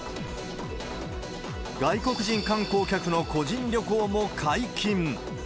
外国人観光客の個人旅行も解禁。